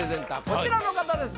こちらの方です